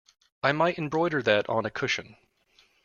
I might embroider that on a cushion.